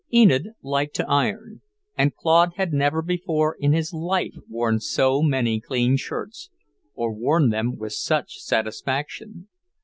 Enid liked to iron, and Claude had never before in his life worn so many clean shirts, or worn them with such satisfaction.